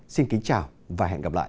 xin kính chào và hẹn gặp lại